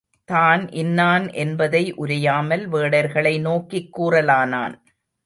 தான் இன்னான் என்பதை உரையாமல் வேடர்களை நோக்கிக் கூறலானான்.